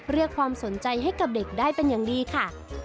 เรียกความสนใจให้กับเด็กได้เป็นอย่างดีค่ะ